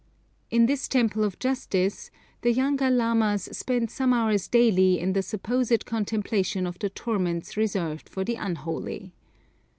In this temple of Justice the younger lamas spend some hours daily in the supposed contemplation of the torments reserved for the unholy.